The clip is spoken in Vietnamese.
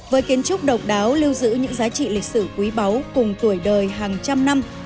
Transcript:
với kiến trúc độc đáo lưu giữ những giá trị lịch sử quý báu cùng tuổi đời hàng trăm năm